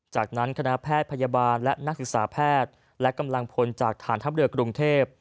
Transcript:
จากนั้นคณะแพทย์พยาบาลและนักศึกษาแพทย์และกำลังพลจากฐานทัพเรือกรุงเทพ